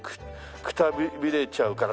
くたびれちゃうから。